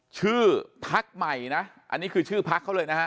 ชื่อพักใหม่นะอันนี้คือชื่อพักเขาเลยนะฮะ